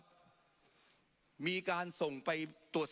ปรับไปเท่าไหร่ทราบไหมครับ